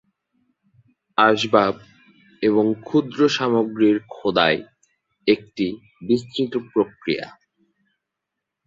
আসবাব এবং ক্ষুদ্র সামগ্রীর খোদাই একটি বিস্তৃত প্রক্রিয়া।